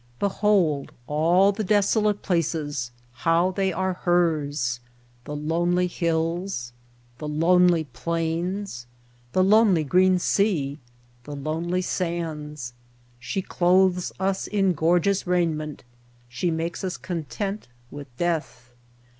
"Behold all the desolate places how they are hers — the lonely hills, the lonely plains, the lonely green sea, the lonely sands — she clothes us in gorgeous raiment, she makes us content with death.